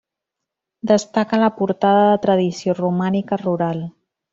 Destaca la Portada de tradició romànica rural.